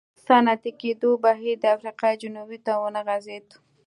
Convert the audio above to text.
صنعتي کېدو بهیر د افریقا جنوب ته ونه غځېد.